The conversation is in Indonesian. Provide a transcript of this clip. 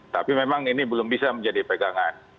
tapi memang ini belum bisa menjadi pegangan